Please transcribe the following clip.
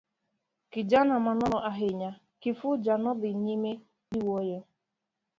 Kijana ma nono ahinya, Kifuja nodhi nyime giwuoyo.